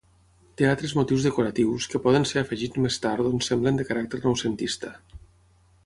Té altres motius decoratius, que poden ser afegits més tard doncs semblen de caràcter noucentista.